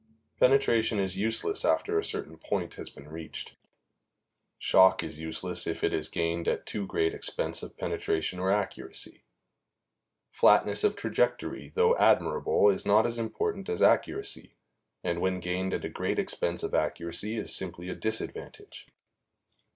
Penetration is useless after a certain point has been reached. Shock is useless if it is gained at too great expense of penetration or accuracy. Flatness of trajectory, though admirable, is not as important as accuracy, and when gained at a great expense of accuracy is simply a disadvantage.